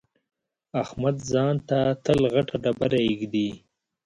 احمد ځان ته تل غټه ډبره اېږدي.